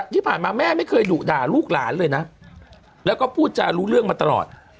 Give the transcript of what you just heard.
ที่ผ่านมาแม่ไม่เคยดุด่าลูกหลานเลยนะแล้วก็พูดจารู้เรื่องมาตลอด